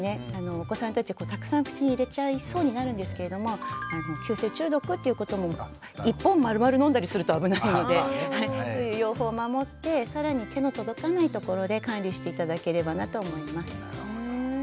お子さんたちたくさん口に入れちゃいそうになるんですけれども急性中毒っていうことも１本まるまる飲んだりすると危ないのでそういう用法を守って更に手の届かない所で管理して頂ければなと思います。